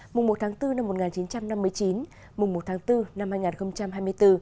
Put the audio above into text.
mùng một tháng bốn năm một nghìn chín trăm năm mươi chín mùng một tháng bốn năm hai nghìn hai mươi bốn